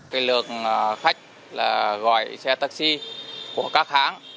cái lượng khách gọi xe taxi của các hãng